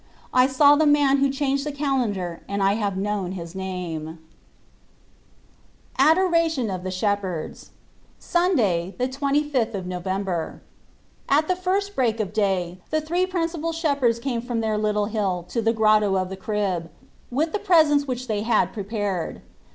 I saw the man who changed the calendar and I have known his name. (SHu* Xovfc Jesus Christ. 97 ADORATION OF THE SHEPHERDS. SUNDAY, the 25th of November. At the first break of day the three principal shep herds came from their little hill to the Grotto of the Crib, with the presents which they had prepared.